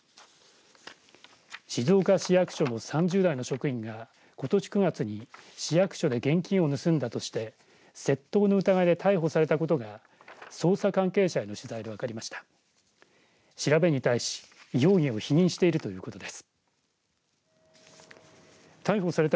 静岡市役所の３０代の職員がことし９月に市役所で現金を盗んだとして窃盗の疑いで逮捕されたことが捜査関係者への取材で分かりました。